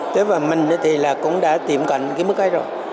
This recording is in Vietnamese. thế và mình thì là cũng đã tiệm cận cái mức ấy rồi